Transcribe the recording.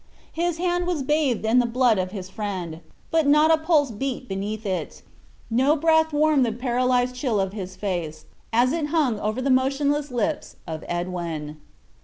His hand was bathed in the blood of his friend, but not a pulse beat beneath it; no breath warmed the paralyzed chill of his face as it hung over the motionless lips of Edwin.